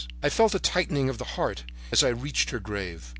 I felt a tightening of the heart as I reached her grave.